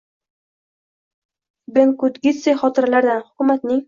Bendukidze xotiralaridan: Hukumatning